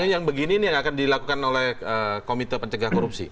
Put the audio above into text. yang begini ini yang akan dilakukan oleh komite pencegah korupsi